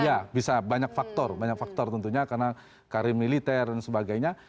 iya bisa banyak faktor banyak faktor tentunya karena karir militer dan sebagainya